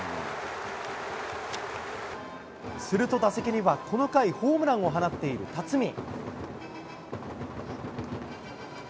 すると打席には、この回、ホームランを放っている辰己。